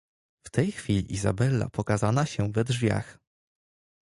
"W tej chwili Izabella pokazana się we drzwiach."